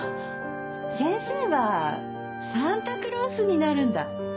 先生はサンタクロースになるんだ。